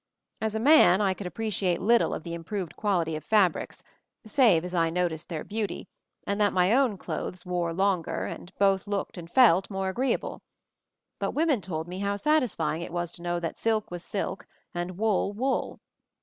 As a man I could appreciate little of the improved quality of fabrics, save as I noticed their beauty, and that my own clothes wore longer, and both looked and felt more agree able. But women told me how satisfying it was to know that silk was silk, and wool, wool.